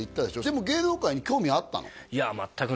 でも芸能界に興味あったの？